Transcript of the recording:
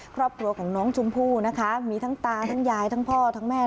ครอบครัวของน้องชมพู่นะคะมีทั้งตาทั้งยายทั้งพ่อทั้งแม่